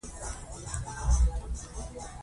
خپله به مو په دې تېاره ماښام کې ګرځېدونکو خلکو ته کتل.